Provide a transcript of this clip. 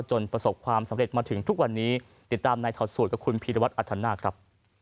ประสบความสำเร็จมาถึงทุกวันนี้ติดตามในถอดสูตรกับคุณพีรวัตรอัธนาคครับ